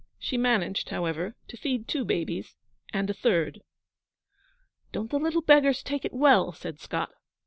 She managed, however, to feed two babies, and a third. 'Don't the little beggars take it well!' said Scott.